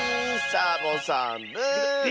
サボさんブーッ！